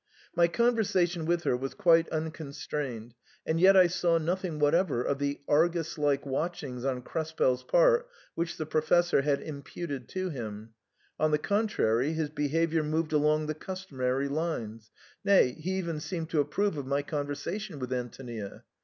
My conversation with her was quite unconstrained, and yet I saw nothing whatever of the Argus like watchings on Krespel's part which the Professor had imputed to him ; on the con trary, his behaviour moved along the customary lines, nay, he even seemed to approve of my conversation with Antonia.